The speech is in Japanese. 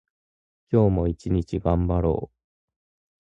今日も一日がんばろう。